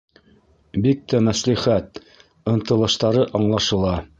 Бик тә мәслихәт, ынтылыштары аңлашыла.